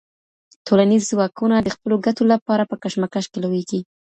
ټولنيز ځواکونه د خپلو ګټو له پاره په کشمکش کي لوېږي.